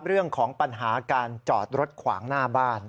เรื่องของปัญหาการจอดรถขวางหน้าบ้าน